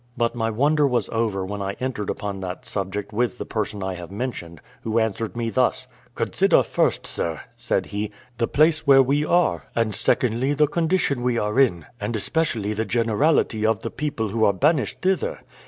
But my wonder was over when I entered upon that subject with the person I have mentioned, who answered me thus: "Consider, first, sir," said he, "the place where we are; and, secondly, the condition we are in; especially the generality of the people who are banished thither.